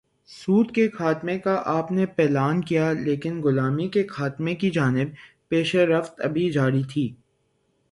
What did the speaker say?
سود کے خاتمے کا آپ نے اعلان کیا لیکن غلامی کے خاتمے کی جانب پیش رفت ابھی جاری تھی۔